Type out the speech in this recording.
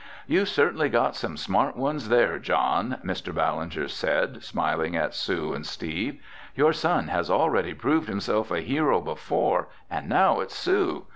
"You've certainly got some smart ones there, John," Mr. Ballinger said, smiling at Sue and Steve. "Your son has already proved himself a hero before and now it's Sue.